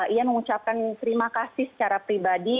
ia mengucapkan terima kasih secara pribadi